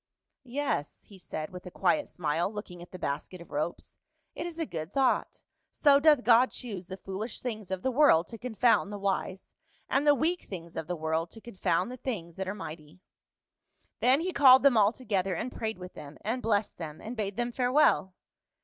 "Yes," he said with a quiet smile, looking at the basket of ropes, " it is a good thought; so doth God choose the foolish things of the world to confound the wise, and the weak things of the world to confound the things that are mighty." Then he called them all together, and prayed with them, and blessed them, and bade them farewell.